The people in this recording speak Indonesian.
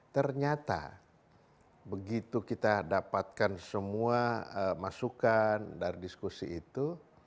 ternyata begitu kita dapatkan semua masukan dari diskusi itu